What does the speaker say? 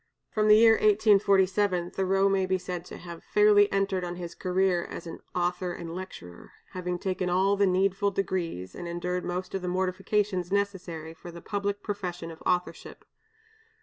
From the year 1847 Thoreau may be said to have fairly entered on his career as author and lecturer; having taken all the needful degrees and endured most of the mortifications necessary for the public profession of authorship.